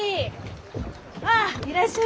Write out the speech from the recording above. ああいらっしゃいませ！